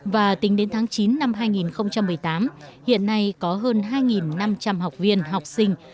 và tính đến tháng chín năm hai nghìn một mươi tám hiện nay có hơn hai năm trăm linh học viên học sinh